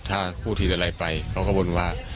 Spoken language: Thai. ถ้าพูดถิดอะไรไปเขาก็บ่นว่า